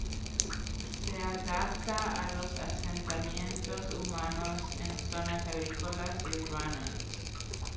Se adapta a los asentamientos humanos en zonas agrícolas y urbanas.